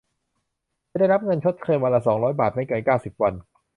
จะได้รับเงินชดเชยวันละ สองร้อย บาท ไม่เกิน เก้าสิบ วัน